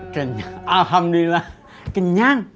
kenyang alhamdulillah kenyang